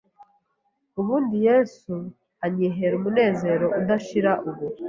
ubundi Yesu anyihera umunezero udashira ubu